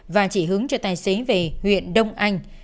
và chỉ hướng cho tài xế về huyện đông anh